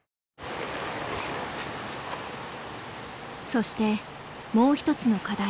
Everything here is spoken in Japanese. そしてもう一つの課題。